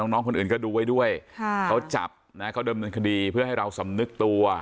น้องคนอื่นก็ดูไว้ด้วยเขาจับนะเขาดำเนินคดีเพื่อให้เราสำนึกตัว